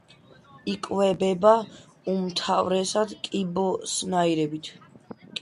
იკვებება უმთავრესად კიბოსნაირებით.